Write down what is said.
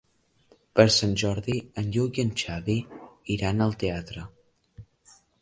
Per Sant Jordi en Lluc i en Xavi iran al teatre.